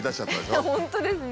本当ですね。